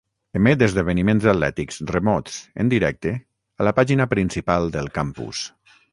Emet esdeveniments atlètics remots en directe a la pàgina principal del campus.